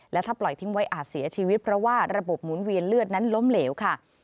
และถ้าปล่อยทิ้งไว้อาจเสียชีวิตเพราะว่าระบบหมุนเวียนเลือดนั้นล้มเหลวค่ะ